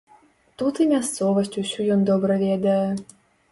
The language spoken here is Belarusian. Тут і мясцовасць усю ён добра ведае.